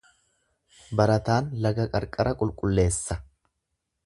Barataan laga qarqara qulqulleessa.